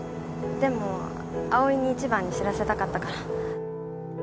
でも葵に一番に知らせたかったから。